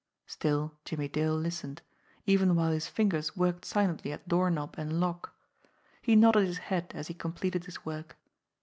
Still Jimmie Dale listened, even while his fingers worked silently at doorknob and lock. He nodded his head as he completed his work.